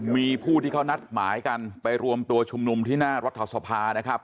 มีผู้ที่เขานัดหมายกันไปรวมตัวชุมนุมที่หน้ารัฐสภานะครับ